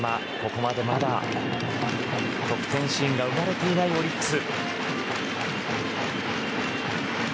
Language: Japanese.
ここまで、まだ得点シーンが生まれていないオリックス。